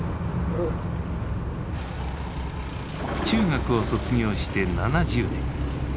中学を卒業して７０年。